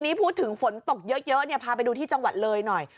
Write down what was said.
นี่พูดถึงฝนตกเยอะเนี่ยพาไปดูที่จังหวัดเลยหน่อย